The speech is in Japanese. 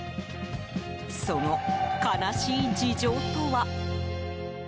その悲しい事情とは。